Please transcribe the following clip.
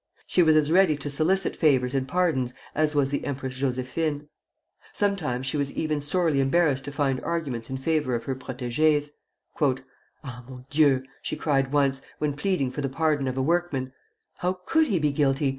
She was as ready to solicit favors and pardons as was the Empress Josephine. Sometimes she was even sorely embarrassed to find arguments in favor of her protégés. "Ah, mon Dieu!" she cried once, when pleading for the pardon of a workman, "how could he be guilty?